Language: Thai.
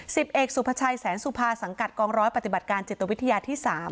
สิบเอกสุภาชัยแสนสุภาสังกัดกองร้อยปฏิบัติการจิตวิทยาที่๓